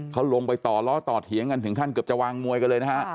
เขาลงไปต่อล้อต่อเถียงกันถึงขั้นเกือบจะวางมวยกันเลยนะฮะ